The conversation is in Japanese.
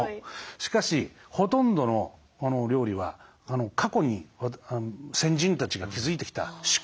しかしほとんどの料理は過去に先人たちが築いてきた仕組みによって成り立ってるものですね。